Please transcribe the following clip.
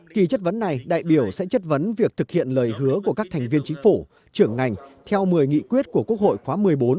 kỳ chất vấn này đại biểu sẽ chất vấn việc thực hiện lời hứa của các thành viên chính phủ trưởng ngành theo một mươi nghị quyết của quốc hội khóa một mươi bốn